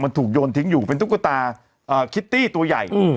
มันถูกโยนทิ้งอยู่เป็นตุ๊กตาคิตตี้ตัวใหญ่